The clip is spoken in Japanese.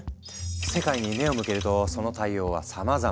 世界に目を向けるとその対応はさまざま。